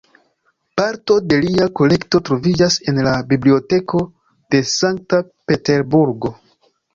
Parto de lia kolekto troviĝas en la Biblioteko de Sankt-Peterburgo.